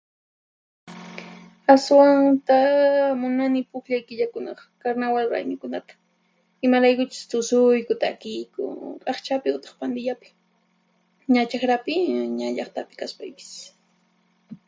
Ashwanta munani puqllay killakunaq karnawal raymikunata, imaraykuchus tusuyku takiyku k'aqchapi utaq pandillapi, ña chaqrapi ña llaqtapi kaspaypis.